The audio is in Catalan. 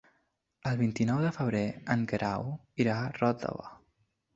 El vint-i-nou de febrer en Guerau irà a Ròtova.